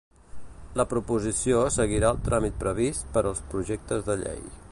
La proposició seguirà el tràmit previst per als projectes de llei.